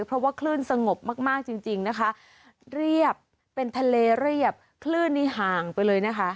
เพราะว่าคลื่นสงบมากมากจริงจริงนะคะเรียบเป็นทะเลเรียบคลื่นนี่ห่างไปเลยนะคะ